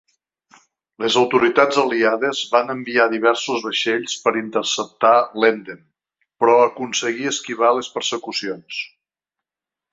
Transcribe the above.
Les autoritats aliades van enviar diversos vaixells per interceptar l'Emden, però aconseguí esquivar les persecucions.